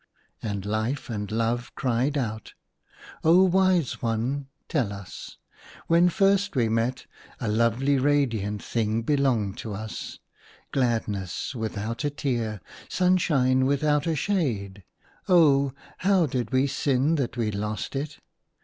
And Life and Love cried out, *' O wise one ! tell us : when first we met, a lovely radiant thing belonged to us —■ gladness without a tear, sunshine with out a shade. Oh ! how did we sin that we lost it